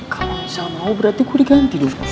kalo misal mau berarti gua diganti dong